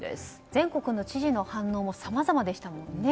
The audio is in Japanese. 全国の知事の反応もさまざまでしたもんね。